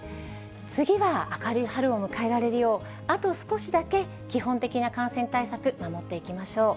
次は明るい春を迎えられるよう、あと少しだけ、基本的な感染対策、守っていきましょう。